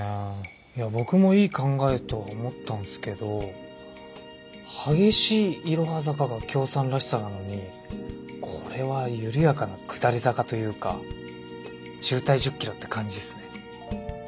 いや僕もいい考えと思ったんすけど激しいいろは坂がきょーさんらしさなのにこれは緩やかな下り坂というか渋滞１０キロって感じっすね。